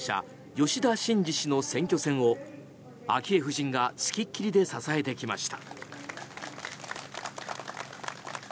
吉田真次氏の選挙戦を昭恵夫人が付きっ切りで支えてきました。